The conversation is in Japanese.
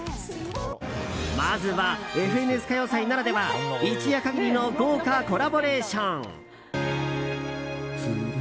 まずは「ＦＮＳ歌謡祭」ならでは一夜限りの豪華コラボレーション。